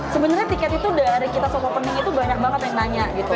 sebenarnya tiket itu dari kita sopening itu banyak banget yang nanya gitu